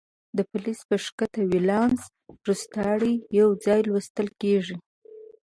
د فلز په ښکته ولانس روستاړي یو ځای لوستل کیږي.